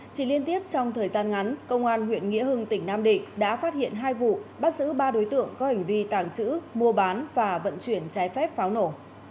chỉ liên tiếp trong thời gian ngắn công an huyện nghĩa hưng tỉnh nam định đã phát hiện hai vụ bắt giữ ba đối tượng có hành vi tàng trữ mua bán và vận chuyển trái phép pháo nổ